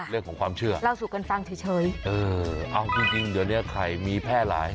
เรื่องของความเชื่อเล่าสู่กันฟังเฉยเออเอาจริงจริงเดี๋ยวเนี้ยไข่มีแพร่หลาย